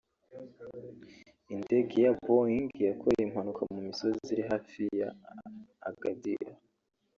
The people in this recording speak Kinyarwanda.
Indege ya Boeing yakoreye impanuka mu misozi iri hafi ya Agadir